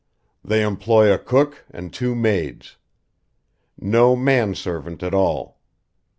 "They employ a cook and two maids. No man servant at all.